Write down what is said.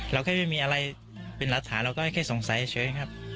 แค่ไม่มีอะไรเป็นหลักฐานเราก็แค่สงสัยเฉยครับ